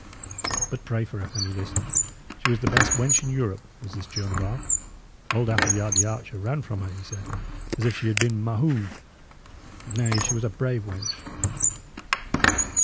"But pray for her, an ye list; she was the best wench in Europe, was this Joan of Arc. Old Appleyard the archer ran from her, he said, as if she had been Mahoun. Nay, she was a brave wench."